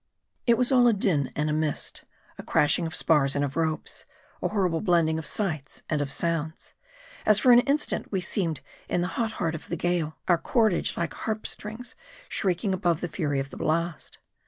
It was all a din and a mist ; a crashing of spars and of ropes ; a horrible blending of sights and of sounds ; as for an instant we seemed in the hot heart of the gale ; our cordage, like harp strings, shrieking above the fury of the blast.